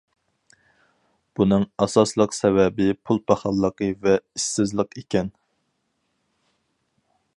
بۇنىڭ ئاساسلىق سەۋەبى پۇل پاخاللىقى ۋە ئىشسىزلىق ئىكەن.